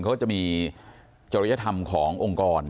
เขาก็จะมีจริยธรรมขององค์กร